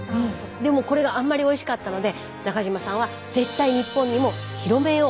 でもこれがあんまりおいしかったので中島さんは絶対日本にも広めよう。